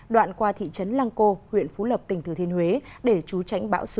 đoạn qua thị trấn lang co huyện phú lập tỉnh thừa thiên huế để trú tránh bão số chín